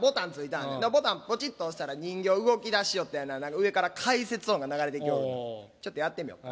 ボタンポチっと押したら人形動きだしおってやな上から解説音が流れて来おるちょっとやってみようか。